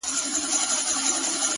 o پر جبين باندې لښکري پيدا کيږي؛